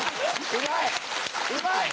うまい！